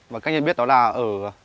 và các anh biết đó là ở